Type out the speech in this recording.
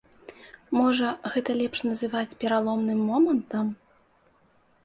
Можа, гэта лепш называць пераломным момантам?